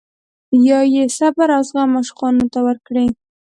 یا یې صبر او زغم عاشقانو ته ورکړی.